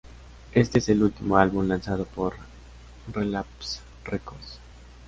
Éste es el último álbum lanzado por Relapse Records.